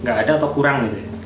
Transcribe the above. nggak ada atau kurang